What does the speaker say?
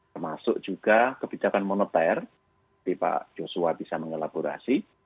termasuk juga kebijakan moneter seperti pak joshua bisa mengelaborasi